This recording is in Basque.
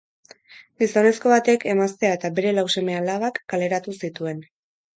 Gizonezko batek emaztea eta bere lau seme-alabak kaleratu zituen.